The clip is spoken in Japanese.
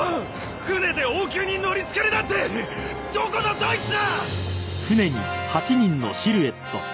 船で王宮に乗り付けるなんてどこのどいつだ！